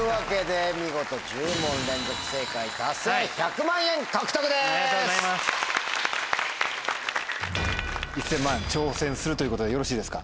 １０００万円挑戦するということでよろしいですか？